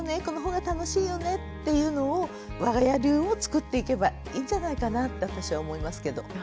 この方が楽しいよねっていうのをわが家流を作っていけばいいんじゃないかなって私は思いますけど。